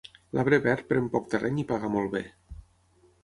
L'arbre verd pren poc terreny i paga molt bé.